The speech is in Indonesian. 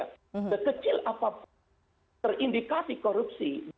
sekecil apapun terindikasi korupsi